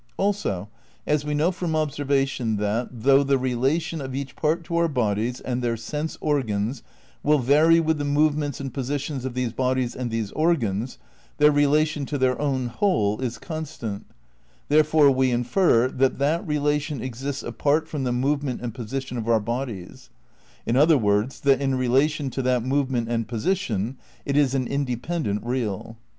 Also, as we know from observation that, though the relation of each part to our bodies and their sense organs will vary with the movements and positions of these bodies and these organs, their relation to their own whole is constant ; therefore we infer that that re lation exists apart from the movement and position of our bodies ; in other words that in relation to that move ment and position it is an independent real.